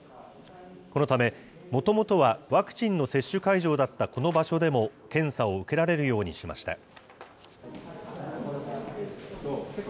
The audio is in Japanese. このため、もともとはワクチンの接種会場だったこの場所でも検査を受けられるようにしました。